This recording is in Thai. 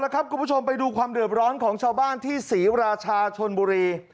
คุณผู้ชมไปดูความเดือบร้อนของชาวบ้านที่ศรีราชาชนบุรี